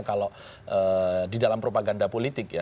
kalau di dalam propaganda politik ya